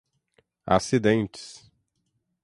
acidentes